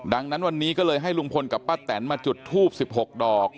ดังนั้นวันนี้ก็เลยให้ลุงพลกับป้าแตนมาจุดทูบ๑๖ดอก